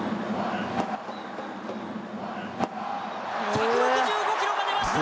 １６５キロが出ました！